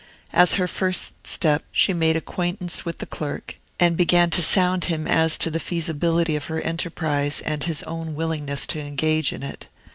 As her first step, she made acquaintance with the clerk, and began to sound him as to the feasibility of her enterprise and his own willingness to engage in it.